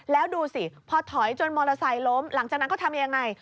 แล้วดูสิพอถอยจนมอเตอร์ไซค์ล้มหลังจากนั้นก็ทำยังไง